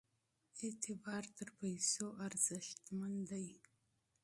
اعتبار تر پیسو ارزښتمن دی.